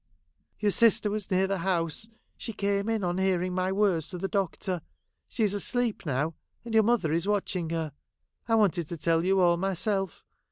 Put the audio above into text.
' Your sister was near the house. She came in on hearing my words to the doctor. She is asleep now, and your mother is watching her. I wanted to tell you all myself.